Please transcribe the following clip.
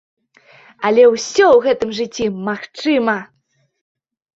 Але ўсё ў гэтым жыцці магчыма.